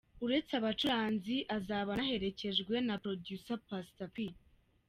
Uretse abacuranzi azaba anaherekejwe na Producer Pastor P.